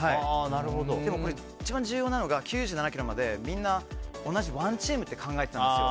でも一番重要なのが９７ｋｍまでみんな同じワンチームだと考えてたんですよ。